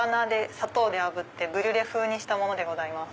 砂糖であぶってブリュレ風にしたものでございます。